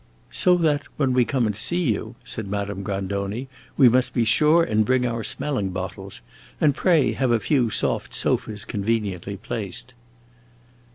"So that when we come and see you," said Madame Grandoni, "we must be sure and bring our smelling bottles. And pray have a few soft sofas conveniently placed."